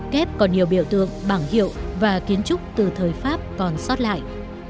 kép còn nhiều biểu tượng bảng hiệu và kiến trúc từ thời pháp còn sót lại